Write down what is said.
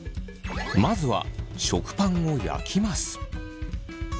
まず食パンを焼きます。